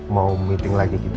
mau meeting lagi kita